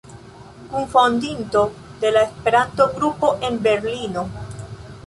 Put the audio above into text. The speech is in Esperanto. Kunfondinto de la Esperanto-Grupo en Berlino.